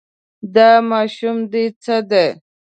دا ماشوم دې څه دی.